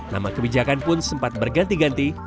nama kebijakan pun sempat berganti ganti